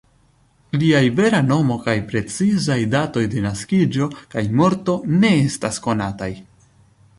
Liaj vera nomo kaj precizaj datoj de naskiĝo kaj morto ne estas konataj.